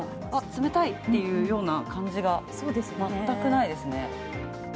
冷たいっていうような感じが全くないですね。